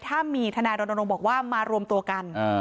ถ้ามีทนายรณรงค์บอกว่ามารวมตัวกัน